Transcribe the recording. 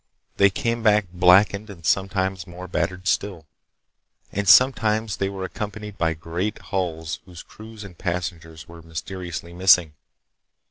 They came back blackened and sometimes more battered still, and sometimes they were accompanied by great hulls whose crews and passengers were mysteriously missing.